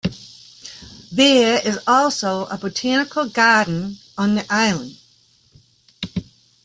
There is also a botanical garden on the island.